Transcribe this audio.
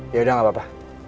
yaudah gak apa apa